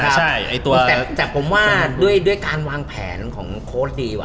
แต่ผมว่าด้วยการวางแผนของโค้ชดีกว่า